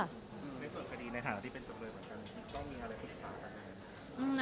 ในส่วนคดีในฐานะที่เป็นจำเลยเหมือนกันต้องมีอะไรปรึกษากันไหมครับ